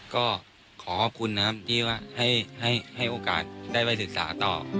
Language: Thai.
ก็ขอขอบคุณนะครับที่ว่าให้โอกาสได้ไปศึกษาต่อ